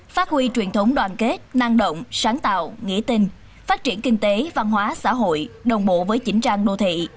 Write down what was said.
phát huy truyền thống đoàn kết năng động sáng tạo nghĩa tình phát triển kinh tế văn hóa xã hội đồng bộ với chỉnh trang đô thị